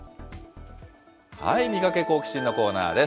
ミガケ、好奇心！のコーナーです。